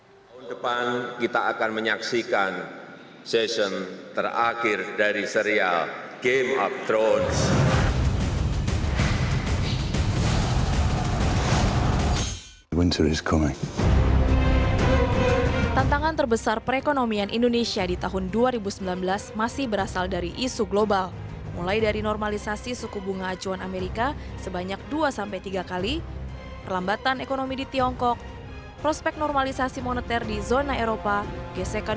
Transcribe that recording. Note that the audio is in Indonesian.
tahun depan kita akan menyaksikan sesion terakhir dari serial game of thrones